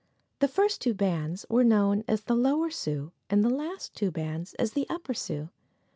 The first two bands were known as the Lower Sioux and the last two bands as the Upper Sioux.